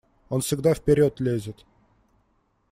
Он всегда вперед лезет.